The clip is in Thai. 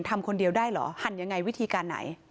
ทำคนเดียวได้เหรอหั่นยังไงวิธีการไหน